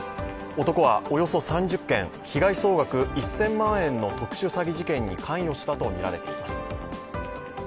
男はおよそ３０件被害総額１０００万円の特殊詐欺事件に関与したとみられています。